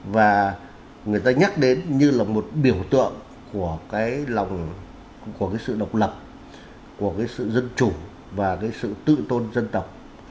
và người ta nhắc đến như là một biểu tượng của cái lòng của cái sự độc lập của cái sự dân chủ và cái sự tự tôn dân tộc